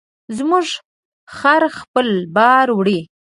زموږ خر خپل بار وړي.